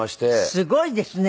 すごいですね。